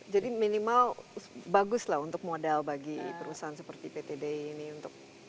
jadi minimal bagus lah untuk modal bagi perusahaan seperti pt di ini untuk